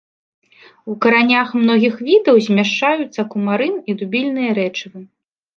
У каранях многіх відаў змяшчаюцца кумарын і дубільныя рэчывы.